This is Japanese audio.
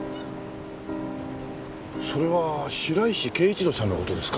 それは白石圭一郎さんの事ですか？